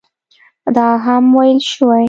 او دا هم ویل شوي